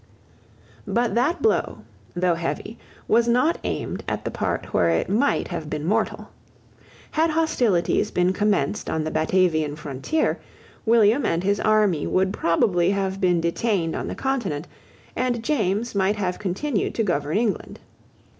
But that blow, though heavy, was not aimed at the part where it might have been mortal. Had hostilities been commenced on the Batavian frontier, William and his army would probably have been detained on the continent, and James might have continued to govern England.